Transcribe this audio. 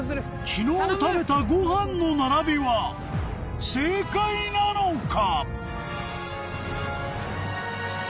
昨日食べたご飯の並びは正解なのか？